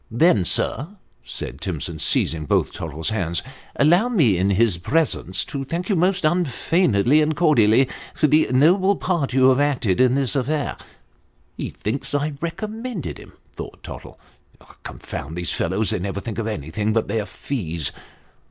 " Then, sir," said Timson, seizing both Tottle's hands, " allow me in his presence to thank you most unfeignedly and cordially, for the noble part you have acted in this affair." " He thinks I recommended him," thought Tottle. " Confound these fellows ! they never think of anything but their fees."